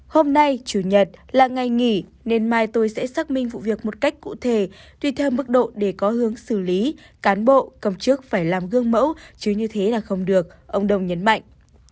hôm nay chủ nhật là ngày nghỉ nên mai tôi sẽ xác minh vụ việc một cách cụ thể tùy theo mức độ để có hướng xử lý cán bộ công chức phải làm gương mẫu chứ như thế là không được ông đông nhấn mạnh